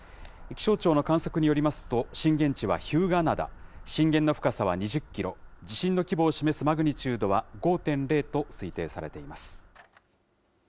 気象庁の観測によりますと、震源地は日向灘、震源の深さは２０キロ、地震の規模を示すマグニチュードは５．０と推定されています。